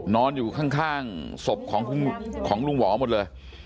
นอนอยู่ข้างศพของลุงหวอหมดเลย